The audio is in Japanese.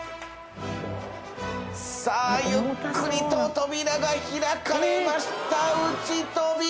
さあゆっくりと扉が開かれました内扉。